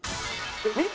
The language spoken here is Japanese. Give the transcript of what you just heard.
見て！